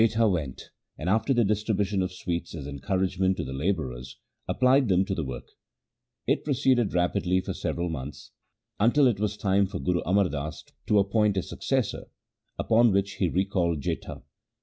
142 THE SIKH RELIGION Jetha went, and after the distribution of sweets as encouragement to the labourers, applied them to the work. It proceeded rapidly for several months until it was time for Guru Amar Das to appoint a successor, upon which he recalled Jetha.